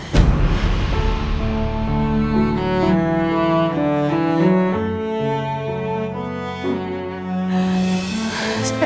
aku akan berusaha untuk memberi kekuatan